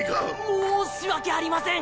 申し訳ありません。